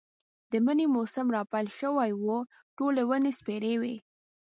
د مني موسم را پيل شوی و، ټولې ونې سپېرې وې.